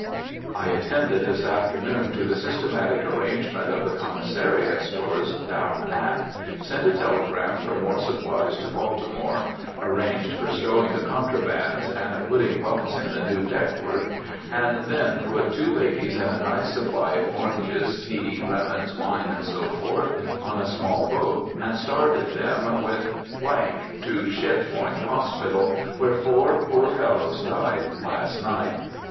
I attended this afternoon to the systematic arrangement of the commissariat stores down aft, sent a telegram for more supplies to Baltimore, arranged for stowing the contrabands and putting bunks in the new deck ward, and then put two ladies and a nice supply of oranges, tea, lemons, wine, &c., &c. on a small boat, and started them with —— to Ship Point Hospital, where four poor fellows died last night.